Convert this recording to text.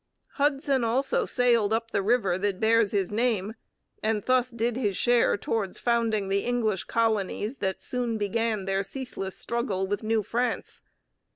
Hudson also sailed up the river that bears his name, and thus did his share towards founding the English colonies that soon began their ceaseless struggle with New France.